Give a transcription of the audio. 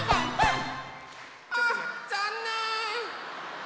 あぁざんねん。